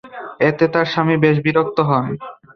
এতে তার স্বামী বেশ বিরক্ত হন।